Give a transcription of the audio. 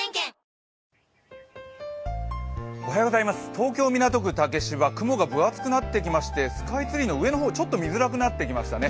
東京・港区竹芝、雲が分厚くなってきましてスカイツリーの上の方、ちょっと見づらくなってきましたね。